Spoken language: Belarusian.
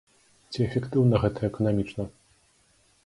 Ці эфектыўна гэта эканамічна?